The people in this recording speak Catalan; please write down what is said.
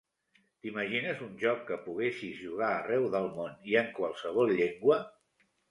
T'imagines un joc que poguessis jugar arreu del món i en qualsevol llengua?